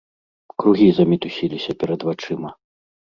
Кругі замітусіліся перад вачыма.